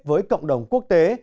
với cộng đồng quốc tế